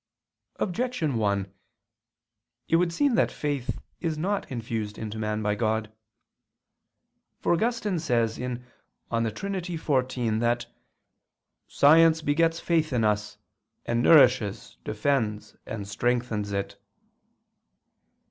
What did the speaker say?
Objection 1: It would seem that faith is not infused into man by God. For Augustine says (De Trin. xiv) that "science begets faith in us, and nourishes, defends and strengthens it."